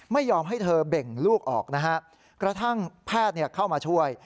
ไม่ยอมให้เธอเบ่งลูกออกนะฮะกระทั่งแพทย์เข้ามาช่วย